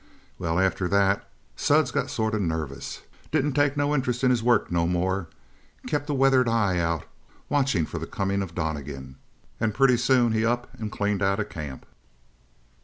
"Well, after that Suds got sort of nervous. Didn't take no interest in his work no more. Kept a weather eye out watching for the coming of Donnegan. And pretty soon he up and cleaned out of camp.